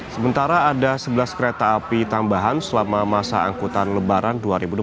sementara ada sebelas kereta api tambahan selama masa angkutan lebaran dua ribu dua puluh